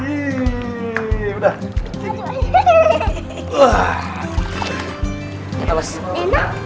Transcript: ya ros enak enak kan bener emang